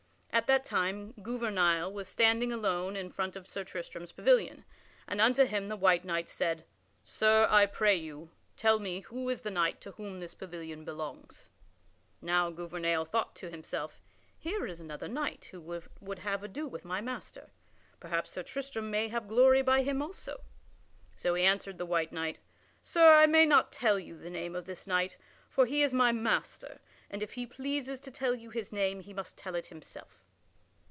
At that time Gouvernail was standing alone in front of Sir Tristram's pavilion, and unto him the white knight said: "Sir, I pray you, tell me who is the knight to whom this pavilion belongs." Now Gouvernail thought to himself: "Here is another knight who would have ado with my master. Perhaps Sir Tristram may have glory by him also." So he answered the white knight: "Sir, I may not tell you the name of this knight, for he is my master, and if he pleases to tell you his name he must tell it himself."